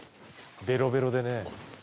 ベロベロでね